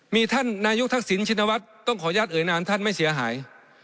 มีท่านนายกทักษิณชินวัฒน์ต้องขออนุญาตเอ่ยนามท่านไม่เสียหาย